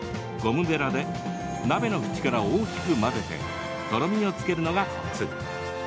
ゴムべらで鍋のふちから大きく混ぜてとろみをつけるのがコツ。